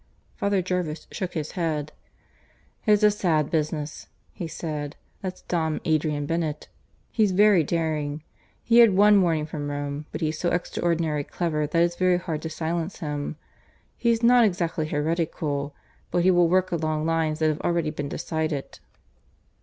Father Jervis shook his head. "It's a sad business," he said. "That's Dom Adrian Bennett. He's very daring. He's had one warning from Rome; but he's so extraordinarily clever that it's very hard to silence him. He's not exactly heretical; but he will work along lines that have already been decided."